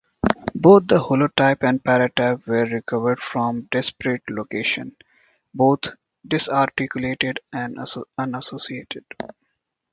Both the holotype and paratype were recovered from disparate locations, both disarticulated and unassociated.